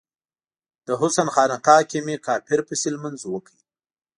د حسن خانقا کې می کافر پسې لمونځ وکړ